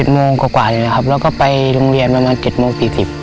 โมงกว่าเลยนะครับแล้วก็ไปโรงเรียนประมาณ๗โมง๔๐